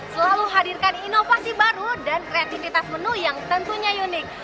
selalu hadirkan inovasi baru dan kreativitas menu yang tentunya unik